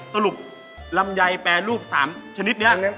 สรุปลำไยแปรรูป๓ชนิดนี้